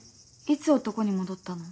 いつ男に戻ったの？